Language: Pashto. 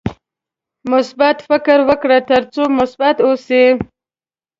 مثبت فکر وکړه ترڅو مثبت اوسې.